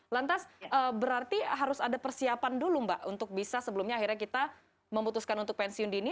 lantas berarti harus ada persiapan dulu mbak untuk bisa sebelumnya akhirnya kita memutuskan untuk pensiun dini